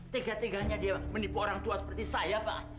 tiga tiganya dia menipu orang tua seperti saya pak